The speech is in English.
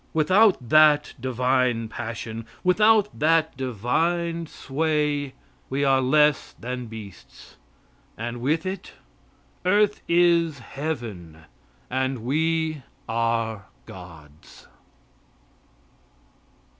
Without that divine passion, without that divine sway, we are less than beasts, and with it earth is heaven and we are gods.